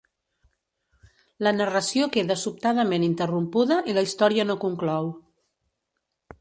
La narració queda sobtadament interrompuda i la història no conclou.